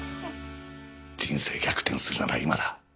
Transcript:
人生逆転するのが今だ。